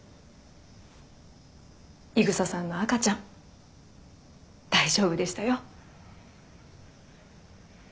井草さんの赤ちゃん大丈夫でしたよ。